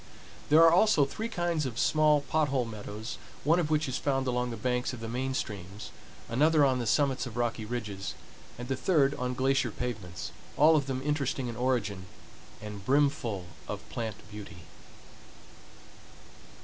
There are also three kinds of small pot hole meadows one of which is found along the banks of the main streams, another on the summits of rocky ridges, and the third on glacier pavements, all of them interesting in origin and brimful of plant beauty.